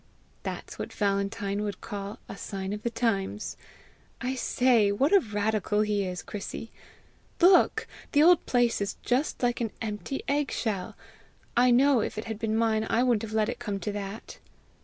"That's what Valentine would call a sign of the times. I say, what a radical he is, Chrissy! Look! the old place is just like an empty egg shell! I know, if it had been mine, I wouldn't have let it come to that!"